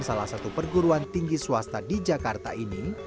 salah satu perguruan tinggi swasta di jakarta ini